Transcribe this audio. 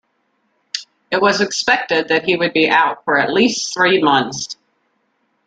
It was expected that he would be out for at least three months.